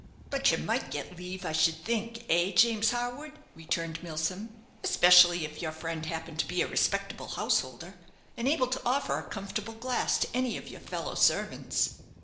"But you might get leave I should think, eh, James Harwood?" returned Milsom; "especially if your friend happened to be a respectable householder, and able to offer a comfortable glass to any of your fellow servants."